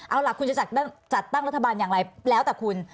เอาล่ะคุณจะจัดตั้งรัฐบาลอย่างไรแล้วแต่คุณ